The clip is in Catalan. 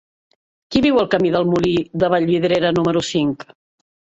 Qui viu al camí del Molí de Vallvidrera número cinc?